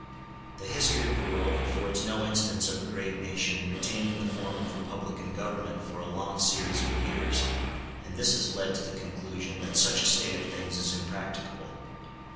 The history of the world affords no instance of a great nation retaining the form of republican government for a long series of years, *r and this has led to the conclusion that such a state of things is impracticable.